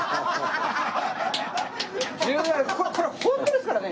これはホントですからね！